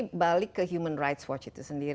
sebagai teman teaman apa fakta tersebut yang di kr